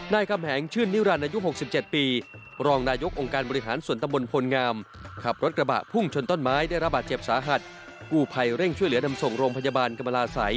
นายคำแหงชื่นนิราณอายุ๖๗ปีรองนายกองค์การบริหารสวนตำบลพลงาม